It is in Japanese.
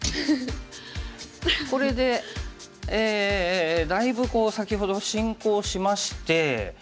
これでだいぶ先ほど進行しまして。